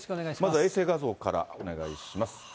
まず衛星画像からお願いします。